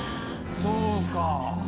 そうか。